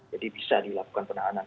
jadi bisa dilakukan penahanan